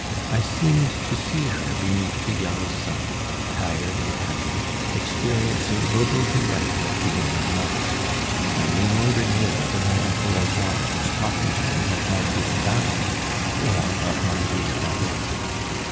I seemed to see her beneath the yellow sun, tired and happy, experiencing noble delight at being a mother. And I no longer knew whether my uncle Lazare was talking to me of my dear valley, or of my dear Babet.